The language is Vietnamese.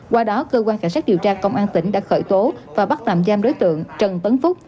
qua đó cơ quan cảnh sát điều tra công an tỉnh đã khởi tố và bắt tạm giam đối tượng trần tấn phúc